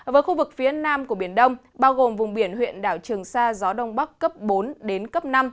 với khu vực phía nam của biển đông bao gồm vùng biển huyện đảo trường sa gió đông bắc cấp bốn đến cấp năm